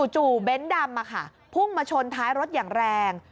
เบ้นดำพุ่งมาชนท้ายรถอย่างแรง